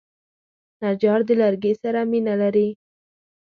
نجار د لرګي سره مینه لري.